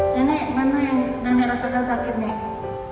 dane mana yang dane rasakan sakit mbak